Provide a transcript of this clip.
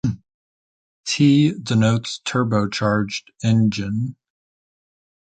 "T" denotes turbocharged engine.